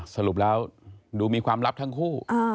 สรุปแล้วดูมีความลับทั้งคู่